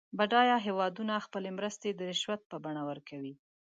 بډایه هېوادونه خپلې مرستې د رشوت په بڼه ورکوي.